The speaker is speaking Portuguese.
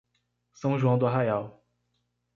São João do Arraial